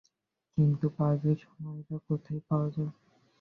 কিন্তু বাজে সামুরাই কোথায় পাওয়া যায়?